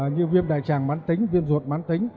như viêm đại tràng mát tính viêm ruột mát tính